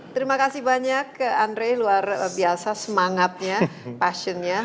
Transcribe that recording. terima kasih banyak andre luar biasa semangatnya passionnya